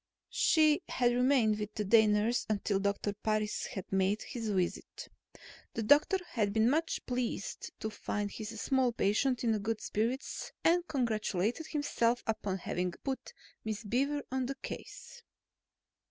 She had remained with the day nurse until Doctor Parris had made his visit. The doctor had been much pleased to find his small patient in good spirits and congratulated himself upon having put Miss Beaver on the case.